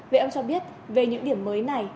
vậy ông cho biết về những điểm mới này